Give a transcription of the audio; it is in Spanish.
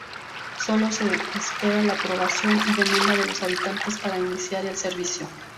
Solo se espera la aprobación y demanda de los habitantes para iniciarse el servicio.